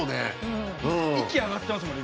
息あがってますもんね。